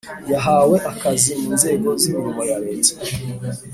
yahawe akazi mu nzego z imirimo ya leta